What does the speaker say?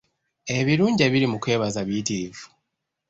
Ebirungi ebiri mu kwebaza biyitirivu.